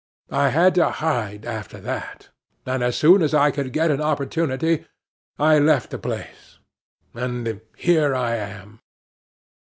I had to hide after that. And as soon as I could get an opportunity I left the place, and here I am."